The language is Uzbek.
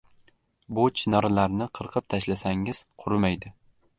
Bu chinorlarni qirqib tashlasangiz qurimaydi.